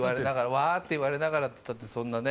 わあって言われながらってったってそんなね。